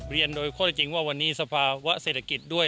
เรียนโดยข้อได้จริงว่าวันนี้สภาวะเศรษฐกิจด้วย